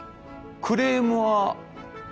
クレームは？